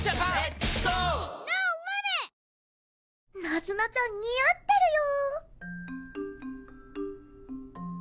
ナズナちゃん似合ってるよ！